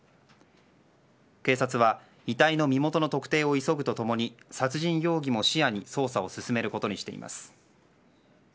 警察は遺体の身元の特定を急ぐと共に殺人容疑も視野に捜査を進めることにしています。